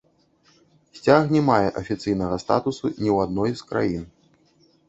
Сцяг не мае афіцыйнага статусу ні ў адной з краін.